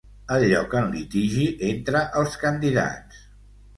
El lloc en litigi entre els candidats.